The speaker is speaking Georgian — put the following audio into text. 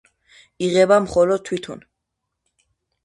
იღებდა მხოლოდ თვითონ.